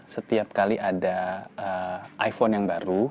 setiap kali ada iphone yang baru